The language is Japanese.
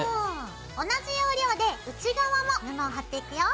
同じ要領で内側も布を貼っていくよ。